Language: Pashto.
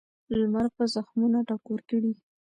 لمر به زخمونه ټکور کړي.